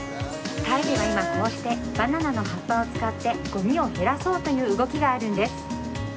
タイでは今、こうしてバナナの葉っぱを使ってごみを減らそうとしているんです。